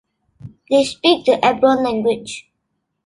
They speak the Abron language.